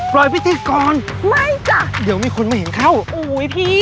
ปล่อยพี่ที่ก่อนไม่จ้ะเดี๋ยวมีคนมาเห็นเข้าโอ้ยพี่